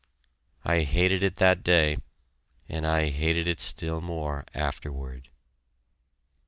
I hated it that day, and I hated it still more afterward.